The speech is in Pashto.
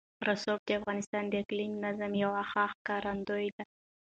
رسوب د افغانستان د اقلیمي نظام یوه ښه ښکارندوی ده.